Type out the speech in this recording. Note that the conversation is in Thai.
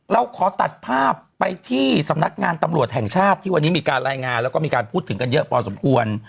เราขอตัดภาพไปที่สำนักงานตำรวจแห่งชาติที่วันนี้มีการรายงานแล้วก็มีการพูดถึงกันเยอะพอสมควร